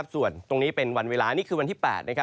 ส่วนตรงนี้เป็นวันเวลานี่คือวันที่๘